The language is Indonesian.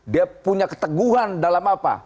dia punya keteguhan dalam apa